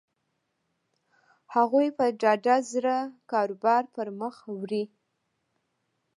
هغوی په ډاډه زړه کاروبار پر مخ وړي.